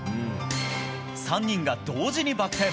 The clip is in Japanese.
３人が同時にバク転。